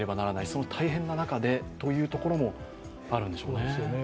その大変な中でというところもあるんでしょうね。